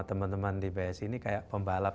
teman teman di psi ini kayak pembalap